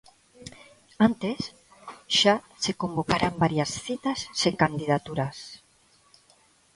Antes xa se convocaran varias citas sen candidaturas.